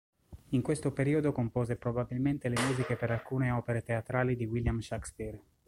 In questo periodo compose probabilmente le musiche per alcune opere teatrali di William Shakespeare.